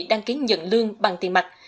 đăng ký nhận lương bằng tiền mặt